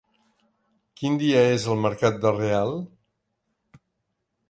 Quin dia és el mercat de Real?